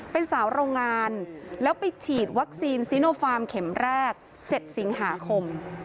เป็นสาวโรงงานแล้วไปฉีดวัคซีนซีโนฟาร์มเข็มแรก๗สิงหาคม